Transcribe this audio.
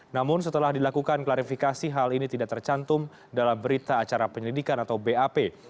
namun setelah dilakukan klarifikasi hal ini tidak tercantum dalam berita acara penyelidikan atau bap